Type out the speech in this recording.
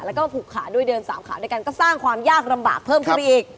แล้วก็ผูกขาด้วยเดินสามขาด้วยกันก็สร้างความยากลำบากเพิ่มขึ้นไปอีก